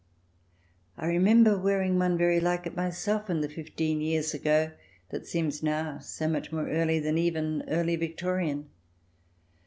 I remember wearing one very like it myself in the fifteen years ago that seems now so much more early than even Early Victorian.